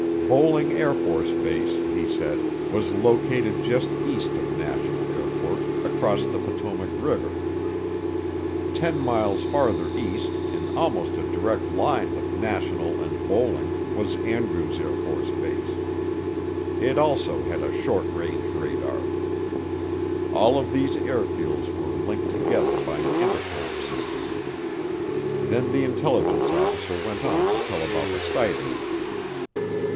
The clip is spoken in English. Bolling AFB, he said, was located just east of National Airport, across the Potomac River. Ten miles farther east, in almost a direct line with National and Bolling, was Andrews AFB. It also had a short range radar. All of these airfields were linked together by an intercom system. Then the intelligence officer went on to tell about the sighting.